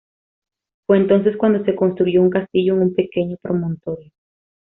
Fue entonces cuando se construyó un castillo en un pequeño promontorio.